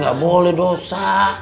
tidak boleh dosa